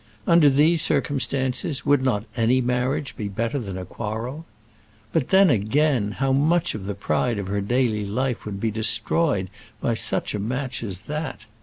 Under these circumstances, would not any marriage be better than a quarrel? But then, again, how much of the pride of her daily life would be destroyed by such a match as that!